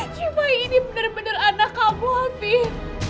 siva ini bener bener anak kamu afif